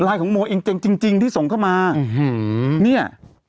ลายของโมจริงจริงจริงที่ส่งเข้ามาอื้อหือเนี้ย